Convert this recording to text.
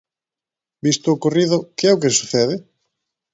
Visto o ocorrido, ¿que é o que sucede?